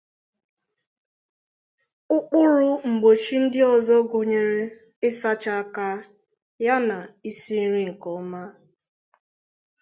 Ụkpụrụ mgbochi ndị ọzọ gụnyere ịsacha aka yana isi nri nke ọma.